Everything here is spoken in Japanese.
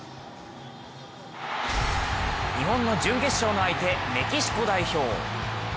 日本の準決勝の相手メキシコ代表。